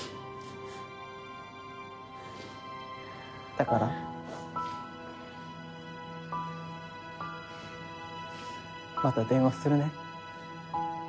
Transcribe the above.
だからまた電話するね。